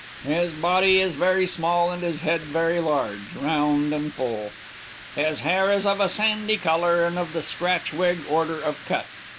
His body is very small, and his head very large, round, and full. His hair is of a sandy color, and of the scratch wig order of cut.